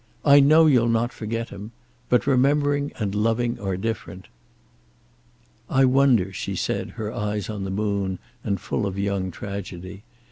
"I know you'll not forget him. But remembering and loving are different." "I wonder," she said, her eyes on the moon, and full of young tragedy.